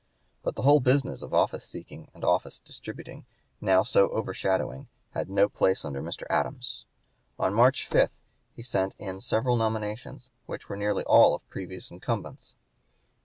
But the whole business of office seeking and office distributing, now so overshadowing, had no place under Mr. Adams. On March 5 he sent in several nominations which were nearly all of previous incumbents.